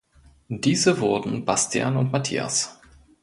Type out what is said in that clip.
Diese wurden Bastian und Matthias.